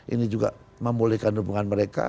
ini juga memulihkan hubungan mereka